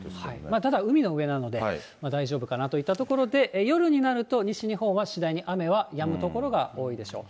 ただ、海の上なので大丈夫かなといったところで、夜になると、西日本は次第に雨はやむ所が多いでしょう。